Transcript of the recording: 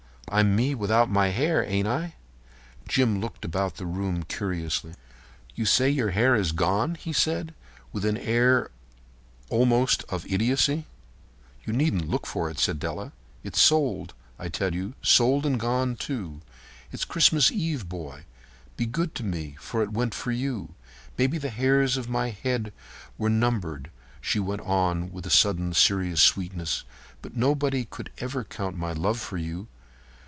I'm me without my hair, ain't I?" Jim looked about the room curiously. "You say your hair is gone?" he said, with an air almost of idiocy. "You needn't look for it," said Della. "It's sold, I tell you—sold and gone, too. It's Christmas Eve, boy. Be good to me, for it went for you. Maybe the hairs of my head were numbered," she went on with sudden serious sweetness, "but nobody could ever count my love for you.